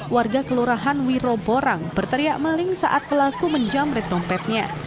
warga kelurahan wiroborang berteriak maling saat pelaku menjamret dompetnya